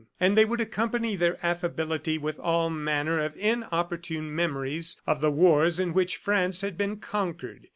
And they would accompany their affability with all manner of inopportune memories of the wars in which France had been conquered.